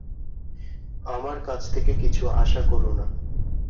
আমার কাছ থেকে কিছু আশা কর না।